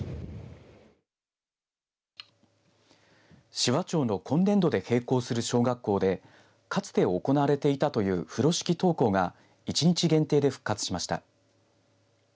紫波町の今年度で閉校する小学校でかつて行われていたという風呂敷登校が１日限定で復活しました。